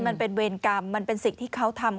มันเป็นเวรกรรมมันเป็นสิ่งที่เขาทำ